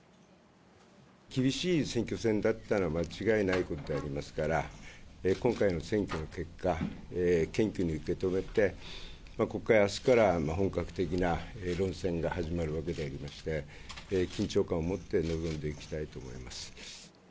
厳しい選挙戦だったのは間違いないことでありますから、今回の選挙の結果、謙虚に受け止めて、国会、あすから本格的な論戦が始まるわけでありまして、緊張感を持って臨んでいきたいと思います。